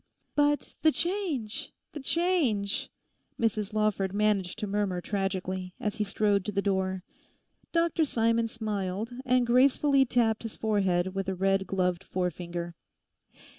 'But the change—the change!' Mrs Lawford managed to murmur tragically, as he strode to the door. Dr Simon smiled, and gracefully tapped his forehead with a red gloved forefinger.